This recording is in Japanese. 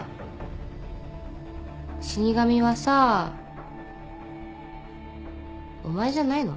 死神はさお前じゃないの？